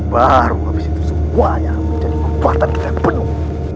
baru habis itu semua yang menjadi kupuatan tidak penuh